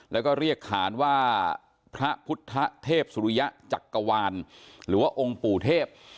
แล้วก็เรียกขานว่าพระพุทธเทพสุริยะจักรวาลหรือว่าองค์ปู่เทพ